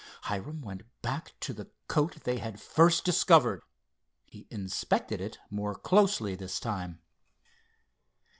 Hiram went back to the coat they had at first discovered. He inspected it more closely this time.